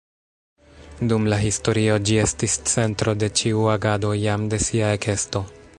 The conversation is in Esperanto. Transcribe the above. Dum la historio ĝi estis centro de ĉiu agado jam de sia ekesto.